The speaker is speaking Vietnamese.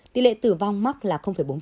tỷ lệ tử vong mắc là bốn